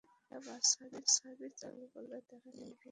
আলাদা bus service চালু হলে তারা নির্বিঘ্নে বিদ্যালয়ে যাতায়াত করতে পারবে।